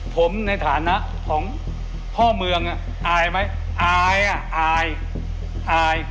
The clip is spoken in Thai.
ผมในฐานะของพ่อเมืองอ่ะอายไหมอายอ่ะอายอาย